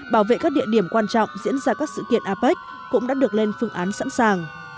bảo vệ các địa điểm quan trọng diễn ra các sự kiện apec cũng đã được lên phương án sẵn sàng